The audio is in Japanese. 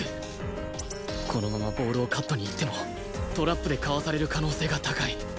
このままボールをカットに行ってもトラップでかわされる可能性が高い